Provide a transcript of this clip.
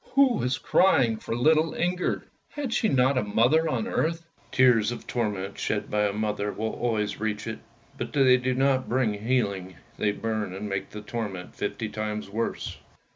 Who was crying for little Inger! Had she not a mother on earth? Tears of sorrow shed by a mother for her child will always reach it; but they do not bring healing, they burn and make the torment fifty times worse.